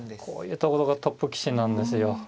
こういうところがトップ棋士なんですよ。